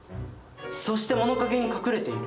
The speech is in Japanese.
そして物陰に隠れている。